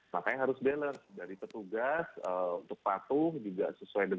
makanya harus balance dari petugas untuk patuh juga sesuai dengan